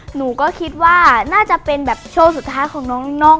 หนูก็คิดว่าน่าจะเป็นแบบโชว์สุดท้ายของน้อง